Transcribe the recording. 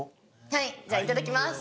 はいじゃいただきます。